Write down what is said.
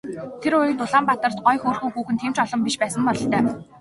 Тэр үед Улаанбаатарт гоё хөөрхөн хүүхэн тийм ч олон биш байсан бололтой.